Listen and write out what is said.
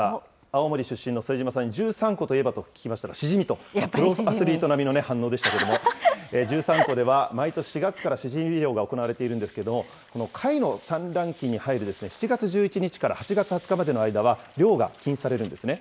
青森出身の副島さんに十三湖といえばと聞きましたら、シジミと、プロアスリート並みの反応でしたけれども、十三湖では毎年４月からシジミ漁が行われているんですけれども、この貝の産卵期に入る７月１１日から８月２０日までの間は、漁が禁止されるんですね。